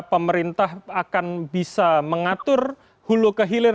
pemerintah akan bisa mengatur hulu kehilir